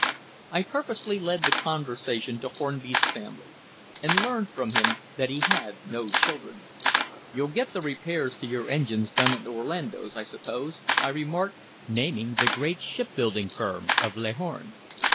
I purposely led the conversation to Hornby's family, and learned from him that he had no children. "You'll get the repairs to your engines done at Orlando's, I suppose?" I remarked, naming the great shipbuilding firm of Leghorn.